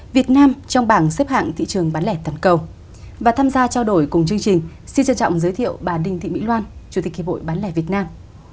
xin chân trọng giới thiệu bà đình thị mỹ loan chủ tịch kỳ bội bán lẻ việt nam